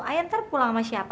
ayah ntar pulang sama siapa